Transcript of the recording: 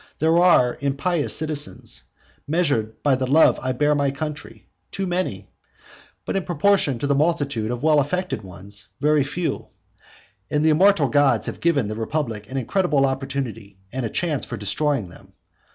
There are impious citizens, measured by the love I bear my country, too many; but in proportion to the multitude of well affected ones, very few; and the immortal gods have given the republic an incredible opportunity and chance for destroying them.